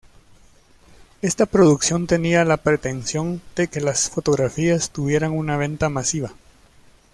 Esta producción tenía la pretensión de que las fotografías tuvieran una venta masiva.